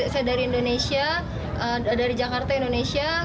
saya dari indonesia dari jakarta indonesia